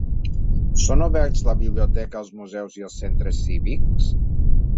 Són oberts la biblioteca, els museus i els centres cívics?